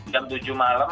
jam tujuh malam